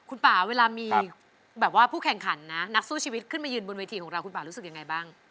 คุณป่าเวลามีแบบว่าผู้แข่งขันนะนักสู้ชีวิตขึ้นมายืนบนเวทีของเราคุณป่ารู้สึกยังไงบ้าง